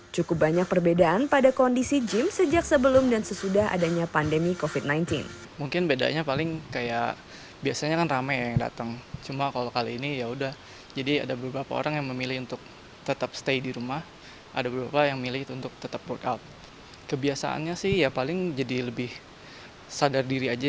cukup banyak perbedaan pada kondisi gym sejak sebelum dan sesudah adanya pandemi covid sembilan belas